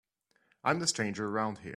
I'm the stranger around here.